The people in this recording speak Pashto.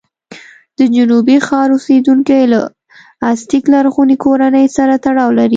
د جنوبي ښار اوسېدونکي له ازتېک لرغونې کورنۍ سره تړاو لري.